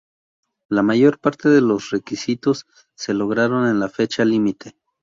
La mayor parte de los requisitos se lograron en la fecha límite.